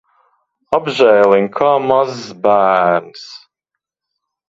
Apžēliņ! Kā mazs bērns.